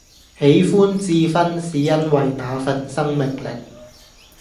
喜歡智勳是因為那份生命力